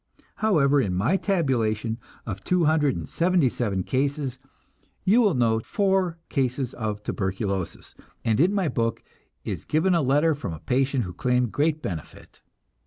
However, in my tabulation of 277 cases, you will note four cases of tuberculosis, and in my book is given a letter from a patient who claimed great benefit.